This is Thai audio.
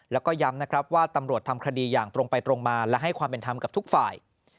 แล้วก็ย้ำนะครับว่าตำรวจทำคดีอย่างตรงไปตรงมาและให้ความเป็นธรรมกับทุกฝ่าย